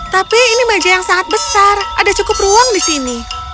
tapi ini meja yang sangat besar ada cukup ruang di sini